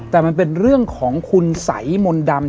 แต่มันเป็นเรื่องของคุณสัยมนต์ดำ